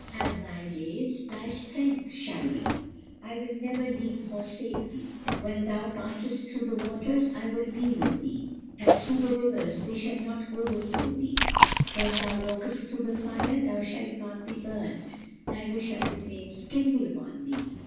'As thy days thy strength shall be.' 'I will never leave thee nor forsake thee.' 'When thou passest through the waters I will be with thee; and through the rivers, they shall not overflow thee: when thou walkest through the fire, thou shalt not be burned; neither shall the flames kindle upon thee.'